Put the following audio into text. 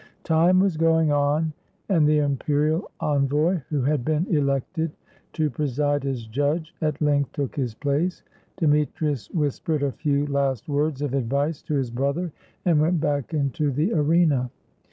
Time was going on, and the imperial envoy, who had been elected to preside as judge, at length took his place ; Demetrius whispered a few last words of advice to his brother and went back into the arena.